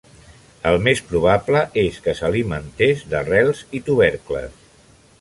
El més probable és que s'alimentés d'arrels i tubercles.